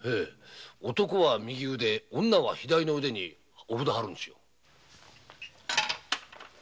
男は右腕女は左腕にお札貼るんですよ。